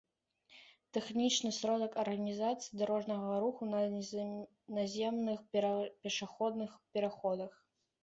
тэхнічны сродак арганізацыі дарожнага руху на наземных пешаходных пераходах